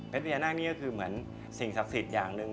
พญานาคนี่ก็คือเหมือนสิ่งศักดิ์สิทธิ์อย่างหนึ่ง